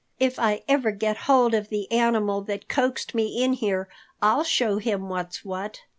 "If I ever get hold of the animal that coaxed me in here, I'll show him what's what."